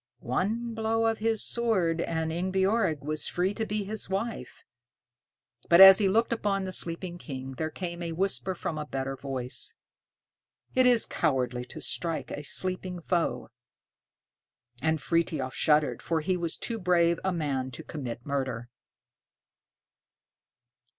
One blow of his sword, and Ingebjorg was free to be his wife. But as he looked upon the sleeping King, there came a whisper from a better voice, "It is cowardly to strike a sleeping foe." And Frithiof shuddered, for he was too brave a man to commit murder.